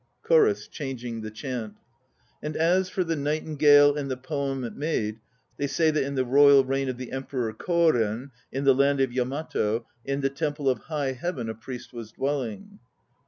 CHORUS (changing the chant). And as for the nightingale and the poem it made, They say that in the royal reign Of the Emperor Koren In the land of Yamato, in the temple of High Heaven A priest was dwelling.